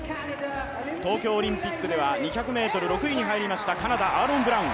東京オリンピックでは２００ｍ６位に入りましたカナダ、アーロン・ブラウン。